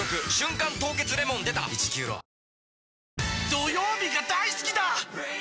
土曜日が大好きだー！